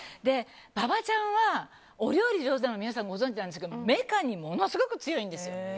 馬場ちゃんは、お料理上手なの皆さん、ご存じでしょうけどメカにものすごく強いんです。